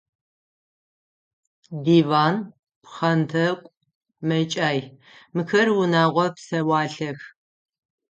Диван, пхъэнтӏэкӏу, мэкӏай – мыхэр унэгъо псэуалъэх.